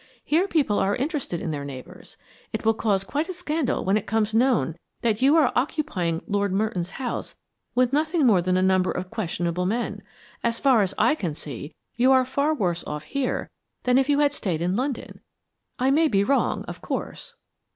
Here people are interested in their neighbors. It will cause quite a scandal when it becomes known that you are occupying Lord Merton's house with nothing more than a number of questionable men. As far as I can see, you are far worse off here than if you had stayed in London. I may be wrong, of course."